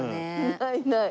ないない。